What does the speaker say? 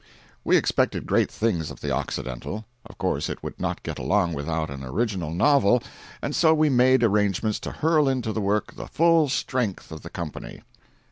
We expected great things of the Occidental. Of course it could not get along without an original novel, and so we made arrangements to hurl into the work the full strength of the company.